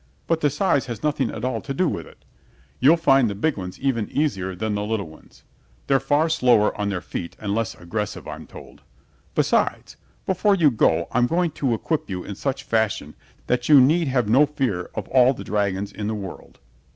But the size has nothing at all to do with it. You'll find the big ones even easier than the little ones. They're far slower on their feet and less aggressive, I'm told. Besides, before you go I'm going to equip you in such fashion that you need have no fear of all the dragons in the world."